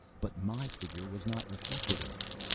But my figure was not reflected in it